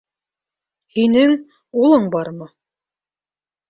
Һинең... улың бармы?